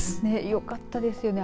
よかったですね。